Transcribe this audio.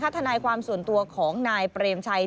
ทนายความส่วนตัวของนายเปรมชัย